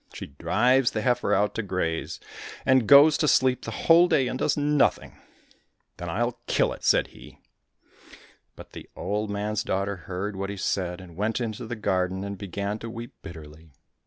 She drives the heifer out to graze, and goes to sleep the whole day and does nothing."—" Then I'll kill it !" said he.— But the old man's daughter heard what he said, and went into the garden and began to weep bitterly.